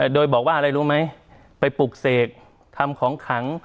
โดยบอกว่าอะไรรู้ไหมไปปลูกเสกทำของขัง